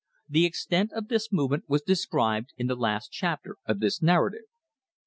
The extent of this movement was described in the last chapter of this narrative.